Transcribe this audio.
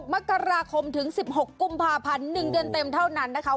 มกราคมถึง๑๖กุมภาพันธ์๑เดือนเต็มเท่านั้นนะคะ